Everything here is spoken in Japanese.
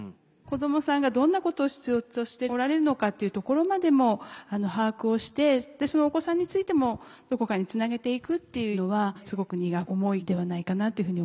子どもさんがどんなことを必要としておられるのかっていうところまでも把握をしてそのお子さんについてもどこかにつなげていくっていうのはすごく荷が重いのではないかなっていうふうに思います。